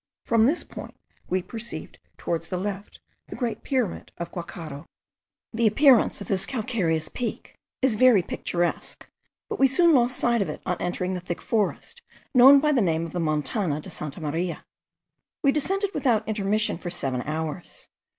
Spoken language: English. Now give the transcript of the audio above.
From this point we perceived towards the left the great pyramid of Guacharo. The appearance of this calcareous peak is very picturesque, but we soon lost sight of it, on entering the thick forest, known by the name of the Montana de Santa Maria. We descended without intermission for seven hours.